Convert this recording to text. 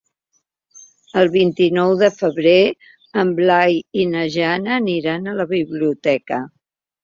El vint-i-nou de febrer en Blai i na Jana aniran a la biblioteca.